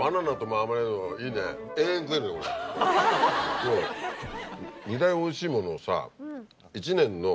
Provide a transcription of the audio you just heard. ２回おいしいものをさ一年の。